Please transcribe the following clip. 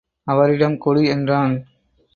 அவரிடம் கொடு என்றான்.